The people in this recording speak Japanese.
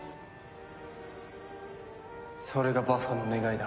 それがバッファの願いだ。